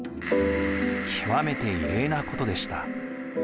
極めて異例なことでした。